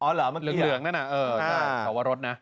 อ๋อเหรอเหลืองนั่นน่ะเออสวรรษนะ